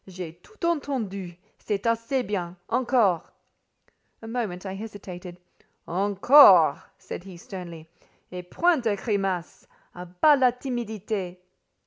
"J'ai tout entendu. C'est assez bien. Encore!" A moment I hesitated. "Encore!" said he sternly. "Et point de grimaces! A bas la timidité!"